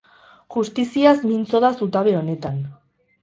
Justiziaz mintzo da zutabe honetan.